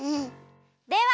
では！